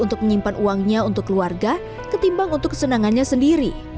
untuk menyimpan uangnya untuk keluarga ketimbang untuk kesenangannya sendiri